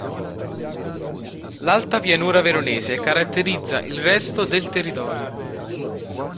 L'alta pianura veronese caratterizza il resto del territorio.